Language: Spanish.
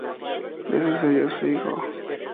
Le sucedió su hijo.